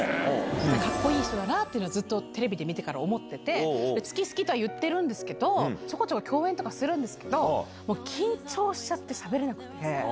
かっこいい人だなっていうのをテレビで見て、思ってて、好き好きとは言ってるんですけど、ちょこちょこ共演とかするんですけど、緊張しちゃって、しゃべれなくって。